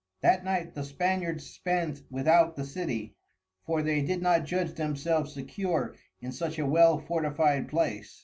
That Night the Spaniards spent without the City, for they did not judge themselves secure in such a well fortified place.